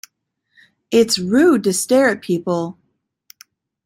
It's rude to stare at people.